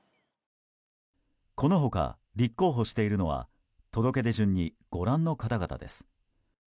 この他、立候補しているのは届け出順に、ご覧の方々です。